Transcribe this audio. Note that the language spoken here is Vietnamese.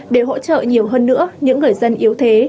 để hỗ trợ nhiều hơn nữa những người dân yếu thế